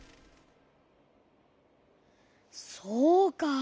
そうか。